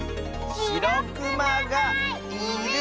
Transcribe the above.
しろくまがいる！